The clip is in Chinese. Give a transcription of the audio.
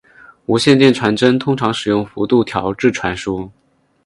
无线电传真通常使用幅度调制传输。